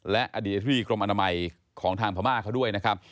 และอดีตอธิบดีกรมอนามัยของทางพม่าเขาด้วยนะครับ